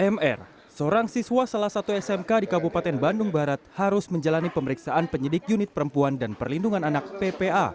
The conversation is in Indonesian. mr seorang siswa salah satu smk di kabupaten bandung barat harus menjalani pemeriksaan penyidik unit perempuan dan perlindungan anak ppa